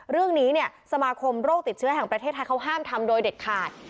เรื่องนี้เนี่ยสมาคมโรคติดเชื้อแห่งประเทศไทยเขาห้ามทำโดยเด็ดขาด